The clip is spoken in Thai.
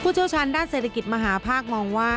ผู้เจ้าชาญด้านเศรษฐกิจมหาภาคมองว่า